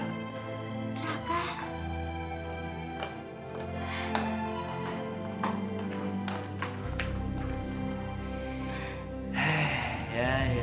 bukit lagi baju